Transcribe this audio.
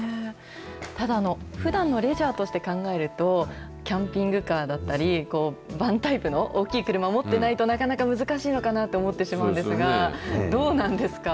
ただ、ふだんのレジャーとして考えると、キャンピングカーだったり、バンタイプの大きい車を持ってないと、なかなか難しいのかなと思ってしまうんですが、どうなんですか？